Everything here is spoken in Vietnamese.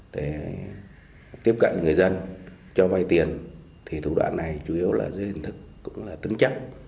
để tiếp cận người dân cho vay tiền thủ đoạn này dưới hình thức tứng chắc